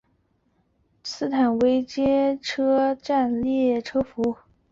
斯坦威街车站列车服务。